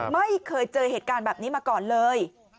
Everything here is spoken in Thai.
ไม่เคยเจอเหตุการณ์แบบนี้มาก่อนเลย